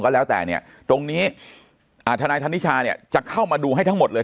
ก็แล้วแต่เนี่ยตรงนี้ทนายธนิชาเนี่ยจะเข้ามาดูให้ทั้งหมดเลย